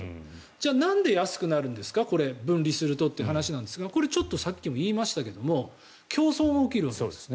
じゃあなんで安くなるんですか分離するとという話になるんですがこれ、さっきも言いましたが競争が起きるわけです。